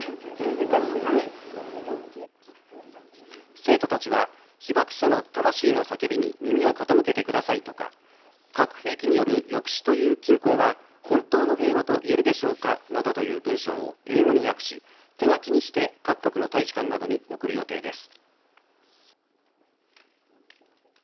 生徒たちは被爆者の魂の叫びに耳を傾けてくださいとか核兵器による抑止という均衡は本当の平和といえるでしょうかなどという文章を英語に訳し手書きにして各国の大使館などに送る予定です。